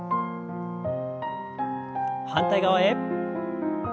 反対側へ。